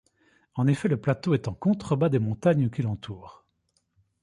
En effet le plateau est en contrebas des montagnes qui l'entourent.